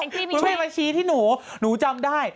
แองจ์มีไปชุดหูแม่บชี้ที่หนูหนูจำได้